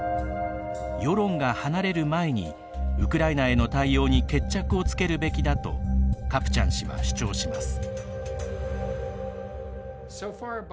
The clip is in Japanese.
世論が離れる前にウクライナへの対応に決着をつけるべきだとカプチャン氏は主張します。